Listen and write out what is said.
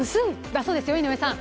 だそうですよ、井上さん。